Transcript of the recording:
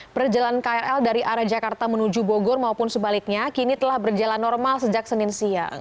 perjalanan krl dari arah jakarta menuju bogor maupun sebaliknya kini telah berjalan normal sejak senin siang